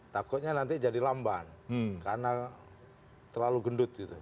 takutnya nanti jadi lamban karena terlalu gendut gitu